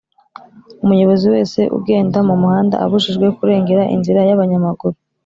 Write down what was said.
Umuyobozi wese ugenda mu muhanda abujijwe kurengera inzira y abanyamaguru